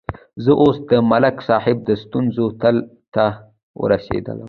زه اوس د ملک صاحب د ستونزې تل ته ورسېدلم.